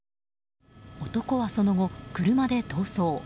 男はその後、車で逃走。